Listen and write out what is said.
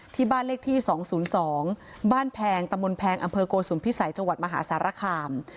ที่บ้านเลขที่๒๐๒บ้านแพงตะมนต์แพงอำเภอโกสุมพิสัยจังหวัดมหาสารคาม